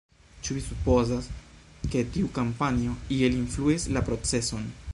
Ĉu vi supozas, ke tiu kampanjo iel influis la proceson?